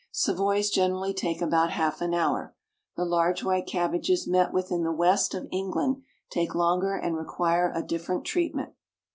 Savoys generally take about half an hour. The large white cabbages met with in the West of England take longer and require a different treatment.